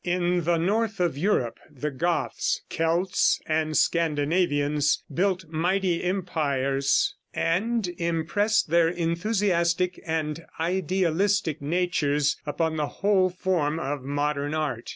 In the north of Europe the Goths, Celts and Scandinavians built mighty empires and impressed their enthusiastic and idealistic natures upon the whole form of modern art.